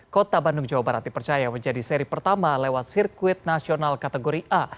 kota bandung jawa barat dipercaya menjadi seri pertama lewat sirkuit nasional kategori a